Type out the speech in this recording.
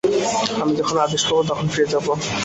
আমি যখন আদেশ পাব, তখন ফিরে যাব।